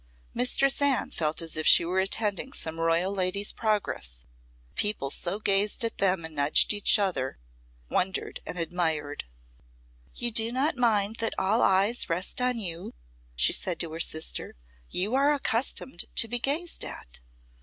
Mistress Anne felt as if she were attending some royal lady's progress, people so gazed at them and nudged each other, wondered and admired. "You do not mind that all eyes rest on you," she said to her sister; "you are accustomed to be gazed at."